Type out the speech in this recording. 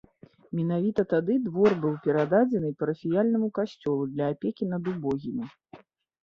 Менавіта тады двор быў перададзены парафіяльнаму касцёлу для апекі над убогімі.